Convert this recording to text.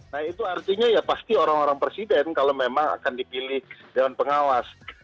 nah itu artinya ya pasti orang orang presiden kalau memang akan dipilih dewan pengawas